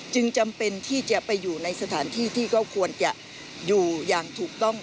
จึงจำเป็นที่จะไปอยู่ในสถานที่ที่เขาควรจะอยู่อย่างถูกต้อง